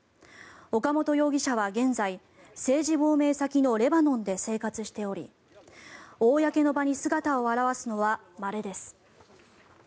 岡本容疑者は現在政治亡命先のレバノンで生活しており公の場に姿を現すのはまれです。